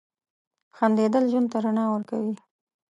• خندېدل ژوند ته رڼا ورکوي.